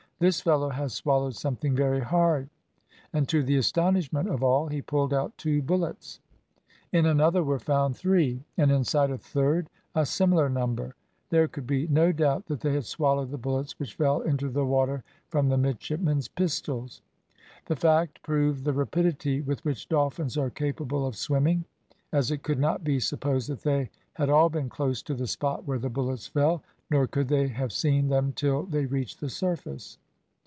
"This fellow has swallowed something very hard;" and to the astonishment of all, he pulled out two bullets. In another were found three, and inside a third a similar number. There could be no doubt that they had swallowed the bullets which fell into the water from the midshipmen's pistols. The fact proved the rapidity with which dolphins are capable of swimming, as it could not be supposed that they had all been close to the spot where the bullets fell, nor could they have seen them till they reached the surface.